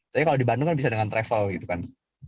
tapi kalau di bandung kan bisa dengan travel gitu kan